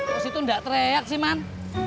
pakai gue mau berhenti ya bang